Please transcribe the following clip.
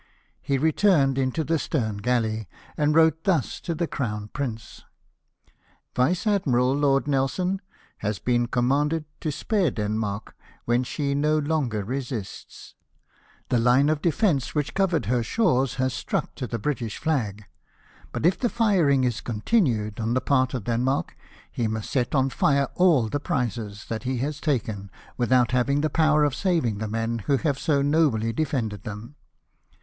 He returned into the stern gallery, and wrote thus to the Crown Prince :" Vice Admiral Lord Nelson has 238 LIFE OF NELSON, been commanded to spare Denmark, when she no longer resists. The Une of defence which covered her shores has struck to the British flag ; but if the firing is continued on the part of Denmark, he must set on tire all the prizes that he has taken, without having the power of saving the men who have so nobly de fended them.